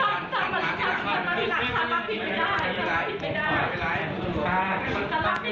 ค่าน้ำทางถ้ากั้งนี้ครับถ้าพิดไม่ได้ไม่ส็งมันขึ้น